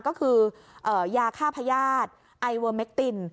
ก็คือยาฆ่าพญาติไอเวอร์เมคติน